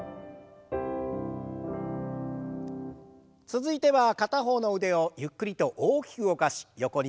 続いては片方の腕をゆっくりと大きく動かし横に引き上げる運動です。